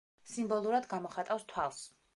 სიმბოლურად გამოხატავს თვალს.